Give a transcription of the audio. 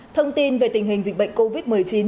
thông tin về tình hình dịch bệnh covid một mươi chín